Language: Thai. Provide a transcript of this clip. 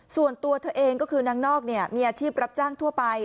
ส่วนตัวเธอเองก็คือนางนอกมีอาชีพรับจ้างทั่วไป